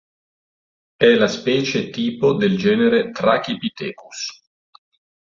È la specie tipo del genere "Trachypithecus".